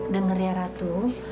denger ya ratu